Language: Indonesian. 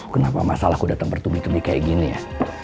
kenapa masalah aku datang bertubi tubi kayak gini ya